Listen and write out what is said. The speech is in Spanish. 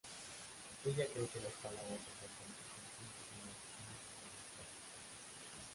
Ella cree que las palabras son bastante sentido sin la acción que los respalde.